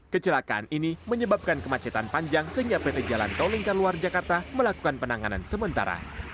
kecelakaan ini menyebabkan kemacetan panjang sehingga pt jalan tol lingkar luar jakarta melakukan penanganan sementara